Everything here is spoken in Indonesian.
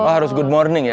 harus good morning ya